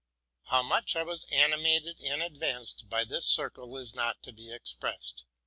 How much I was animated and advanced by this circle is not to be expressed.